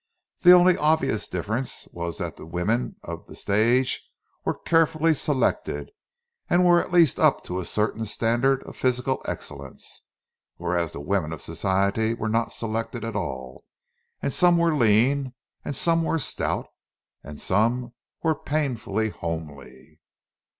The only obvious difference was that the women of the stage were carefully selected—were at least up to a certain standard of physical excellence; whereas the women of Society were not selected at all, and some were lean, and some were stout, and some were painfully homely.